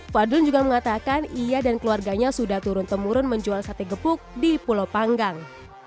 fadrun juga mengatakan ia dan keluarganya sudah turun temurun menjual sate gepuk di pulau panggang